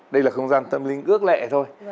đây là không gian tâm linh ước lệ thôi